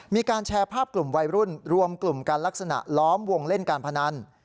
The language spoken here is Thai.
มีการแชร์ภาพกลุ่มวัยรุ่นรวมกลุ่มกันลักษณะล้อมวงเล่นการพนัน